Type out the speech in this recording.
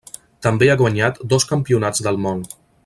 També ha guanyat dos Campionats del món.